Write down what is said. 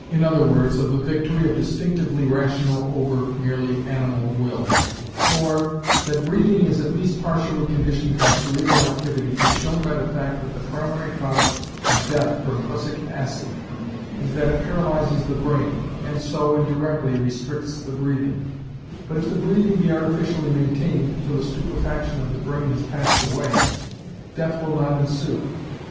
e._, of the victory of distinctively rational over merely animal will. For, that breathing is at least partially conditioned by cerebral activity is shown by the fact that the primary cause of death from prussic acid is that it paralyses the brain, and so, indirectly, restricts the breathing; but if the breathing be artificially maintained till the stupefaction of the brain has passed away, death will not ensue.